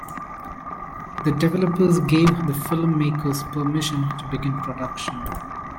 The developers gave the filmmakers permission to begin production.